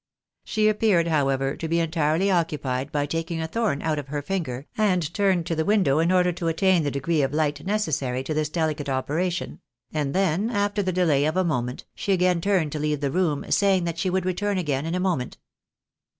She appeared, however, to be entirely occupied by taking a thorn out of her finger, and turned to the window in order to attain the degree of sight necessary to this delicate operation ; and then, after the delay of a moment, she again turned to leave the room, saying that she would return again in a moment.